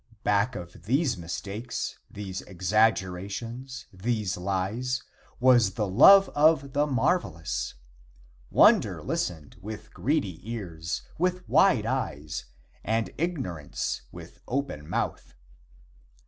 Back of these mistakes, these exaggerations, these lies, was the love of the marvelous. Wonder listened with greedy ears, with wide eyes, and ignorance with open mouth.